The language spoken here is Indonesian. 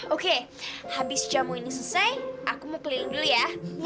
oke habis jamu ini selesai aku mau keliling dulu ya